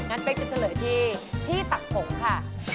งั้นเป๊กจะเฉลยที่ที่ตักผงค่ะ